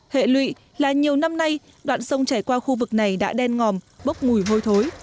hệ lụy là nhiều năm nay đoạn sông chảy qua khu vực này đã đen ngòm bốc mùi hôi thối